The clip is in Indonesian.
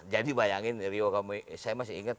jadi bayangin rio kamui saya masih ingat